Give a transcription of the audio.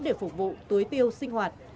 để phục vụ túi tiêu sinh hoạt